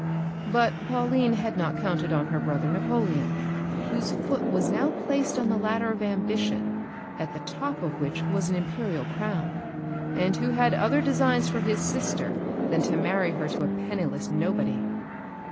But Pauline had not counted on her brother Napoleon, whose foot was now placed on the ladder of ambition, at the top of which was an Imperial crown, and who had other designs for his sister than to marry her to a penniless nobody.